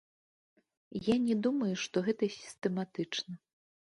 Я не думаю, што гэта сістэматычна.